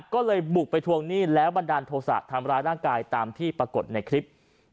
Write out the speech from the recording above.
ก็เลยบุกไปทวงหนี้แล้วบันดาลโทษะทำร้ายร่างกายตามที่ปรากฏในคลิป